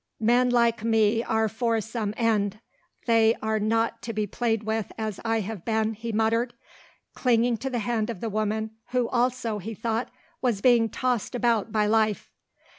"Men like me are for some end. They are not to be played with as I have been," he muttered, clinging to the hand of the woman, who, also, he thought, was being tossed about by life.